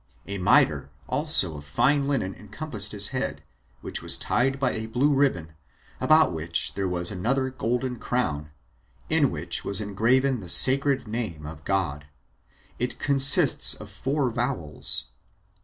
A mitre also of fine linen encompassed his head, which was tied by a blue ribbon, about which there was another golden crown, in which was engraven the sacred name [of God]: it consists of four vowels.